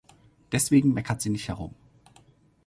Deswegen meckert sie nicht herum.